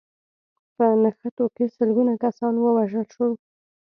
په نښتو کې سلګونه کسان وژل شوي